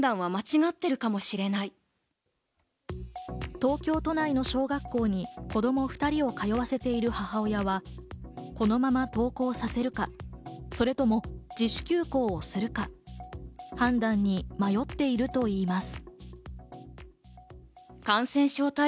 東京都内の小学校に子供２人を通わせている母親はこのまま登校させるか、それとも自主休校をするか判断に迷っているといいます。